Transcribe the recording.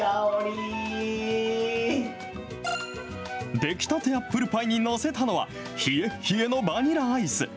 出来たてアップルパイに載せたのはひえっひえのバニラアイス。